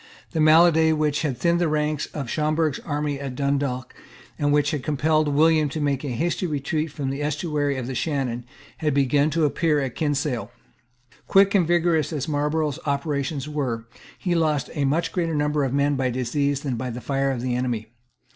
The malady which had thinned the ranks of Schomberg's army at Dundalk, and which had compelled William to make a hasty retreat from the estuary of the Shannon, had begun to appear at Kinsale. Quick and vigorous as Marlborough's operations were, he lost a much greater number of men by disease than by the fire of the enemy.